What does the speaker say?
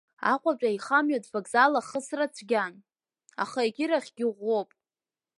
Аҟәатәи аихамҩатә вокзал ахысра цәгьан, аха егьырахьгьы иӷәӷәоуп.